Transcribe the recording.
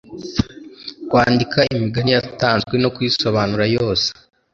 Kwandika imigani yatanzwe no kuyisobanura yose